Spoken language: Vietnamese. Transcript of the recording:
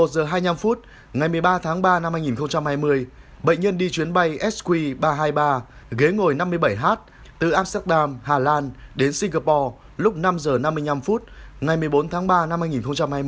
một mươi giờ hai mươi năm phút ngày một mươi ba tháng ba năm hai nghìn hai mươi bệnh nhân đi chuyến bay sq ba trăm hai mươi ba ghế ngồi năm mươi bảy h từ amsterdam hà lan đến singapore lúc năm h năm mươi năm phút ngày một mươi bốn tháng ba năm hai nghìn hai mươi